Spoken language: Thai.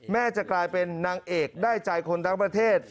จะกลายเป็นนางเอกได้ใจคนทั้งประเทศ